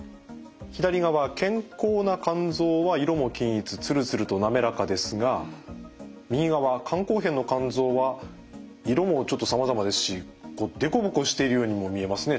左側健康な肝臓は色も均一ツルツルと滑らかですが右側肝硬変の肝臓は色もちょっとさまざまですしこう凸凹してるようにも見えますね